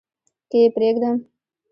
که يې پرېږدم .